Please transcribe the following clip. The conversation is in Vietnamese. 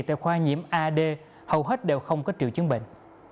tại khoa nhiễm ad hầu hết đều không có triệu chứng bệnh